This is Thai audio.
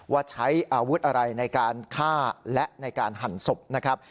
ว่าใช้อาวุธอะไรในการฆ่าและในการหั่นศพนะครับ